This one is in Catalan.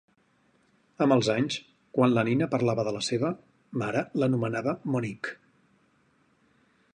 Amb els anys, quan la Nina parlava de la seva mare l'anomenava Monique.